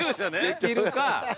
できるか！